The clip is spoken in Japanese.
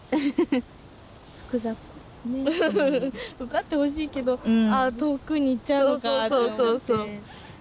受かってほしいけど遠くに行っちゃうのかって思って。